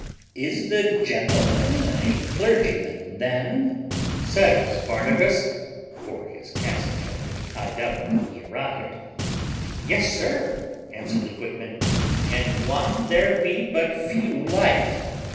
"Is the gentleman a clergyman, then?" says Barnabas (for his cassock had been tied up when he arrived). "Yes, sir," answered the footman; "and one there be but few like."